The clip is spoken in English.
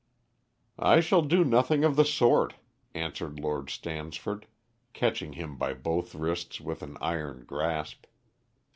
"I shall do nothing of the sort," answered Lord Stansford, catching him by both wrists with an iron grasp.